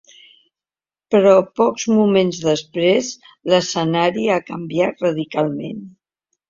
Però pocs moments després l’escenari ha canviat radicalment.